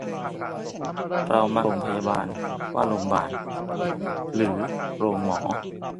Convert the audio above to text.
เรามักเรียกโรงพยาบาลว่าโรงบาล หรือโรงหมอ